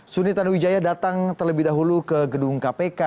suni tanu wijaya datang terlebih dahulu ke gedung kpk